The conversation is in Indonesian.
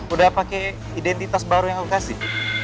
udah pake identitas yang baru yang kuku kasih